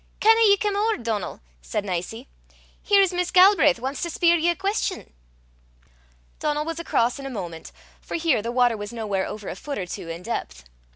"Canna ye come ower, Donal?" said Nicie. "Here's Miss Galbraith wants to speir ye a quest'on." Donal was across in a moment, for here the water was nowhere over a foot or two in depth.